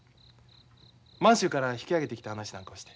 満州から引き揚げてきた話なんかをして。